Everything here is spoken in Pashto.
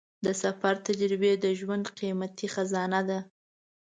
د سفر تجربې د ژوند قیمتي خزانه ده.